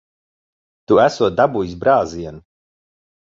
Tu esot dabūjis brāzienu.